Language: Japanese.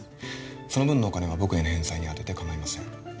その分のお金は僕への返済にあてて構いません